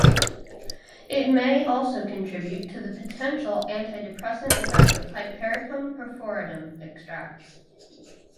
It may also contribute to the potential antidepressant effect of "Hypericum perforatum" extracts.